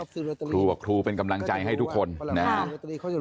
ครูบอกครูเป็นกำลังใจให้ทุกคนนะครับ